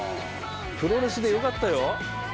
プロレスでよかったよ。